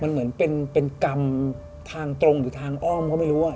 มันเหมือนเป็นกรรมทางตรงหรือทางอ้อมก็ไม่รู้